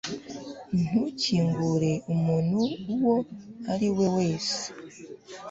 ntukingure umuntu uwo ari we wese